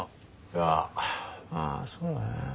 いやまあそうだね。